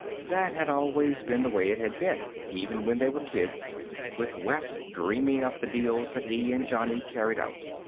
That had always been the way it had been, even when they were kids, with Wes dreaming up the deals that he and Johnny carried out.